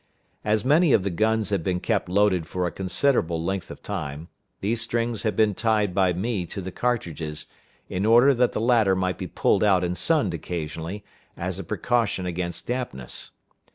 As many of the guns had been kept loaded for a considerable length of time, these strings had been tied by me to the cartridges, in order that the latter might be pulled out and sunned occasionally, as a precaution against dampness.